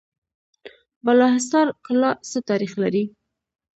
بالاحصار کلا څه تاریخ لري؟